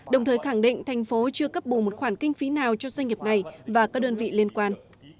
đồng thời khẳng định thành phố chưa cấp bù một khoản kinh phí nào cho doanh nghiệp này và các đơn vị liên quan